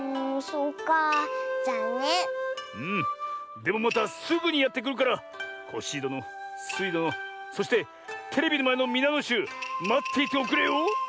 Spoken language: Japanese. でもまたすぐにやってくるからコッシーどのスイどのそしてテレビのまえのみなのしゅうまっていておくれよ。